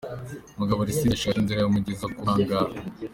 Mugabe Arstide ashaka inzira yamugeza ku nkangara.